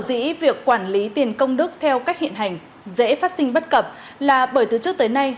nhìn thấy sở dĩ việc quản lý tiền công đức theo cách hiện hành dễ phát sinh bất cập là bởi thứ trước tới nay